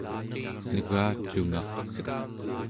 negacungaq